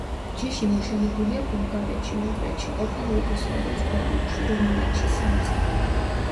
ჯიში მოშენებულია ბულგარეთში, უნგრეთში, ყოფილ იუგოსლავიის ქვეყნებში, რუმინეთში, სამხრ.